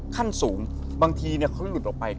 ขั้นสูงบางทีเนี่ยเขาจะหลุดออกไป